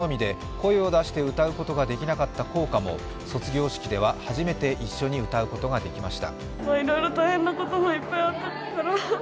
新型コロナの流行以降演奏のみで声を出して歌うことができなかった校歌も卒業式では初めて一緒に歌うことができました。